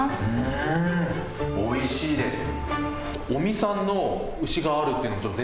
おいしいです。